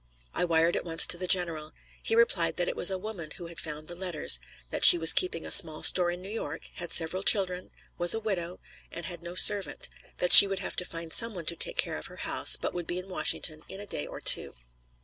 I wired at once to the general. He replied that it was a woman who had found the letters; that she was keeping a small store in New York, had several children, was a widow, and had no servant; that she would have to find some one to take care of her house, but would be in Washington in a day or two.